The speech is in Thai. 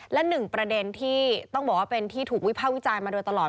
และหนึ่งประเด็นที่ต้องบอกว่าเป็นที่ถูกวิภาควิจารณ์มาโดยตลอด